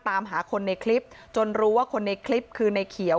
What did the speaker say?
ตามหาคนในคลิปจนรู้ว่าคนในคลิปคือในเขียว